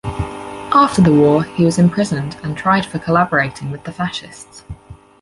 After the war he was imprisoned and tried for collaborating with the fascists.